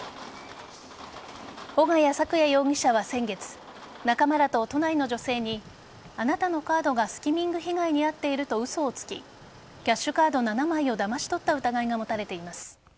鋸屋朔夜容疑者は先月仲間らと都内の女性にあなたのカードがスキミング被害に遭っていると嘘をつきキャッシュカード７枚をだまし取った疑いが持たれています。